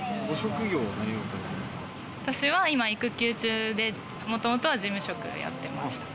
私は今育休中で、もともとは事務職やってました。